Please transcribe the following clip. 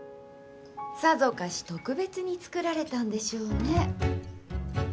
さぞかし特別に作られたんでしょうね。